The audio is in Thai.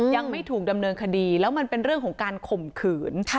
ยังไม่ถูกดำเนินคดีแล้วมันเป็นเรื่องของการข่มขืน